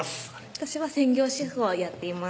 私は専業主婦をやっています